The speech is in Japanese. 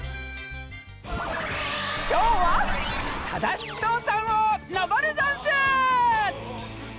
きょうはただしとうさんをのぼるざんす！